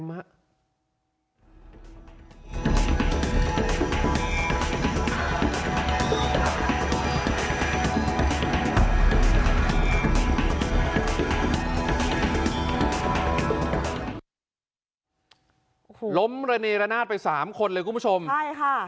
โอ้โหล้มระเนรนาศไปสามคนเลยคุณผู้ชมใช่ค่ะ